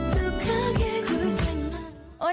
ดีดี